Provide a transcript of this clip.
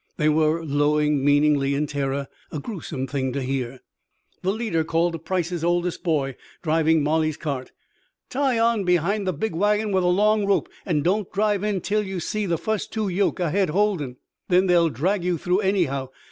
They were lowing meaningly, in terror a gruesome thing to hear. The leader called to Price's oldest boy, driving Molly's cart, "Tie on behind the big wagon with a long rope, an' don't drive in tell you see the fust two yoke ahead holdin'. Then they'll drag you through anyhow.